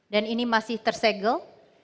dan ini masih tersegel